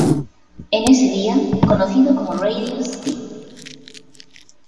En ese día, conocido como ""Radio St.